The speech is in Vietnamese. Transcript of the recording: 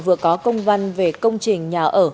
vừa có công văn về công trình nhà ở